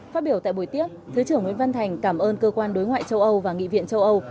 phát biểu tại buổi tiếp thứ trưởng nguyễn văn thành cảm ơn cơ quan đối ngoại châu âu và nghị viện châu âu